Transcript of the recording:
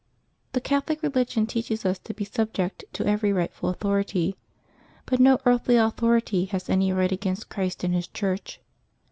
— The Catholic religion teaches us to be sub ject to every rightful authority. But no earthly authority has any right against Christ and His Church.